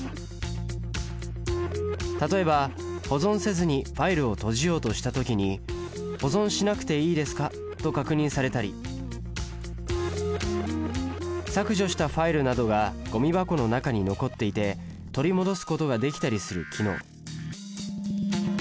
例えば保存せずにファイルを閉じようとした時に「保存しなくていいですか？」と確認されたり削除したファイルなどがゴミ箱の中に残っていて取り戻すことができたりする機能